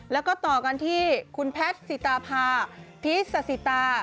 แล้วก็ต่อกันที่คุณแพทย์สิตาภาพีชสสิตา